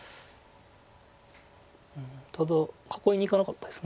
ただ囲いにいかなかったです。